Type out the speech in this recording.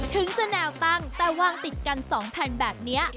ถึงจะแนวตั้งแต่วางติดกัน๒แผ่นแบบนี้